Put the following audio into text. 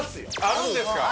あるんですか？